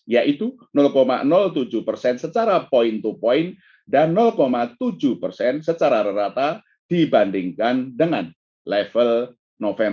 yaitu tujuh persen secara point to point dan tujuh persen secara rata dibandingkan dengan level november